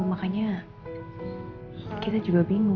makanya kita juga bingung